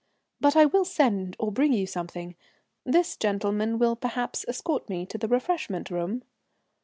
"But I will send or bring you something. This gentleman will perhaps escort me to the refreshment room."